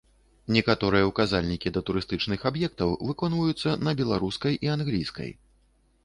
Некаторыя указальнікі да турыстычных аб'ектаў выконваюцца на беларускай і англійскай.